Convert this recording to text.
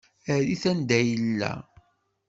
Err-it anda yella.